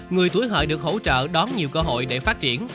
người tuổi hợi được hỗ trợ đón nhiều cơ hội để phát triển